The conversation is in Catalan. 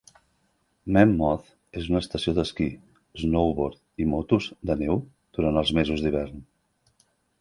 Mammoth és una estació d'esquí, snowboard i motos de neu durant els mesos d'hivern.